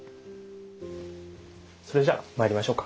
それじゃまいりましょうか。